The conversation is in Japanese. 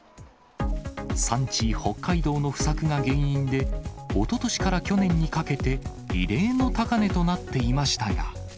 産地、北海道の不作が原因で、おととしから去年にかけて、異例の高値となっていましたが。